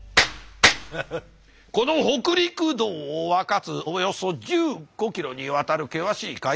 この北陸道を分かつおよそ１５キロにわたる険しい海岸線。